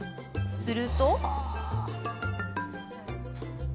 すると。